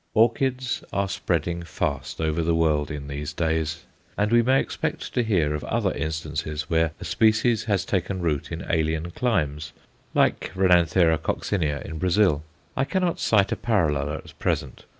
Orchids are spreading fast over the world in these days, and we may expect to hear of other instances where a species has taken root in alien climes like R. coccinea in Brazil. I cannot cite a parallel at present.